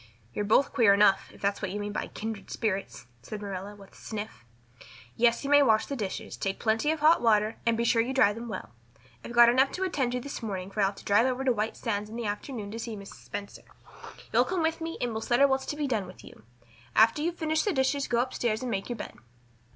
"You're both queer enough, if that's what you mean by kindred spirits," said Marilla with a sniff. "Yes, you may wash the dishes. Take plenty of hot water, and be sure you dry them well. I've got enough to attend to this morning for I'll have to drive over to White Sands in the afternoon and see Mrs. Spencer. You'll come with me and we'll settle what's to be done with you. After you've finished the dishes go up stairs and make your bed."